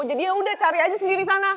yaudah cari aja sendiri sana